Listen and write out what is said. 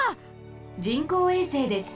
人工衛星です。